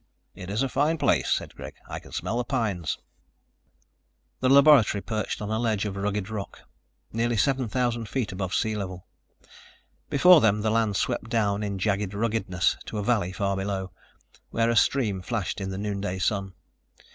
"It is a fine place," said Greg. "I can smell the pines." The laboratory perched on a ledge of rugged rock, nearly 7,000 feet above sea level. Before them the land swept down in jagged ruggedness to a valley far below, where a stream flashed in the noonday sun.